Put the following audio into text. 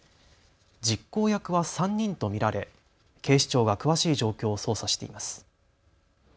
実行役は３人と見られ、警視庁は詳しい状況を捜査しています。